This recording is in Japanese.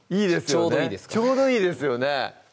ちょうどいいですよね